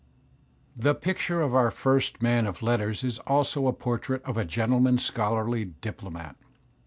The picture of our first man of letters is also a portrait of a gentleman scholarly diplomat.